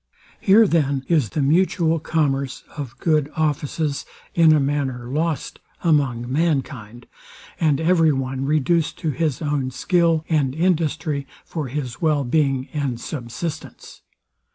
Here then is the mutual commerce of good offices in a manner lost among mankind, and every one reduced to his own skill and industry for his well being and subsistence.